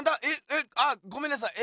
ええあごめんなさい！